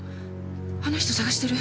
あの人捜してる。